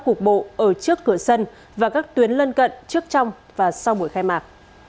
cục bộ ở trước cửa sân và các tuyến lân cận trước trong và sau buổi khai mạc